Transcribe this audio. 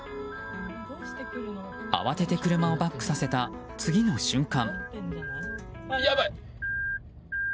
慌てて車をバックさせた次の瞬間。